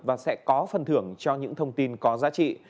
và sẽ có phần thưởng cho những thông tin có giá trị